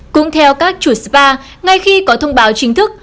cũng theo các chủ spa ngay khi có thông báo chính thức